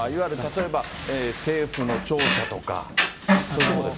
例えば政府の庁舎とか、そういうところですか。